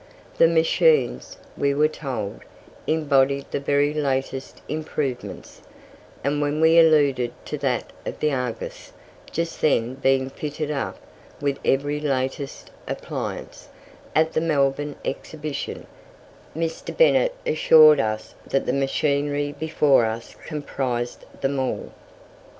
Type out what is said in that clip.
The machines, we were told, embodied the very latest improvements, and when we alluded to that of "The Argus", just then being fitted up, with every latest appliance, at the Melbourne Exhibition, Mr. Bennett assured us that the machinery before us comprised them all.